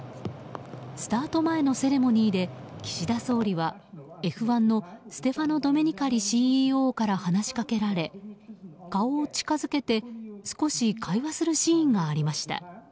スタート前のセレモニーで岸田総理はＦ１のステファノ・ドメニカリＣＥＯから話しかけられ顔を近づけて少し会話するシーンがありました。